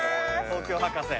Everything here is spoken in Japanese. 東京博士。